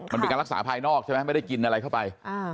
มันเป็นการรักษาภายนอกใช่ไหมไม่ได้กินอะไรเข้าไป